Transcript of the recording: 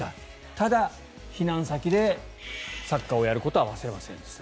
ただ、避難先でサッカーをやることは忘れませんでした。